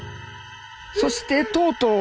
「そうしてとうとう」。